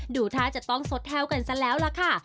ดูท่าจะต้องสดแลวกันซะแล้วล่ะค่ะ